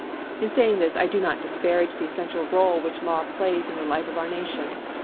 In saying this, I do not disparage the essential role which law plays in the life of our Nation.